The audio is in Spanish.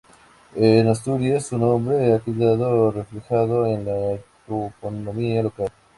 En Asturias su nombre ha quedado reflejado en la toponimia local.